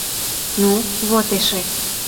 «Ну, вот эше!